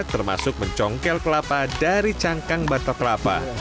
termasuk mencongkel kelapa dari cangkang batok kelapa